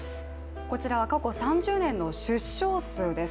こちらは過去３０年の出生数です。